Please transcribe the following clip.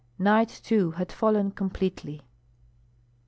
Night too had fallen completely.